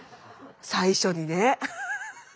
最初にね。